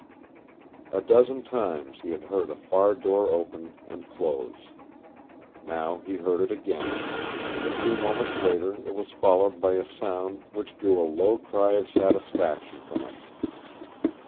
A dozen times he had heard a far door open and close. Now he heard it again, and a few moments later it was followed by a sound which drew a low cry of satisfaction from him.